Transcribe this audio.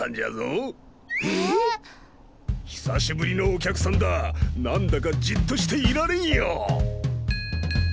久しぶりのお客さんだ何だかじっとしていられんよ！